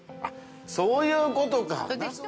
あっそういうことか。